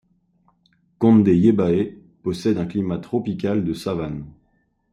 Konde-Yebae possède un climat tropical de savane.